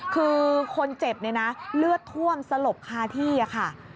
คือคนเจ็บเนี่ยนะเลือดท่วมสลบคาที่ค่ะ